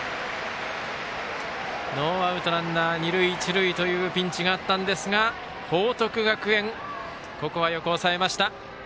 ノーアウトランナー、二塁一塁というピンチがあったんですが報徳学園、ここはよく抑えました。